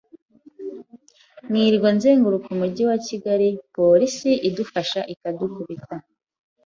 nkirirwa nzenguruka umujyi wa Kigali, Police idufata ikadukubita.